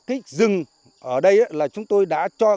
cái rừng ở đây là chúng tôi đã cho